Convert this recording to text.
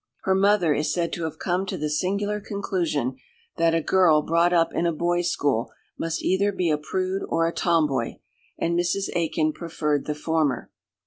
Her mother is said to have come to the singular conclusion that a girl brought up in a boys' school must either be a prude or a tomboy, and Mrs. Aikin preferred the former.